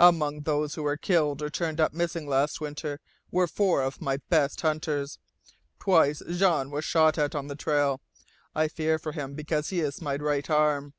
Among those who were killed or turned up missing last winter were four of my best hunters. Twice Jean was shot at on the trail. I fear for him because he is my right arm."